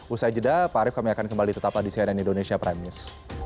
usai jeda pak arief kami akan kembali tetaplah di cnn indonesia prime news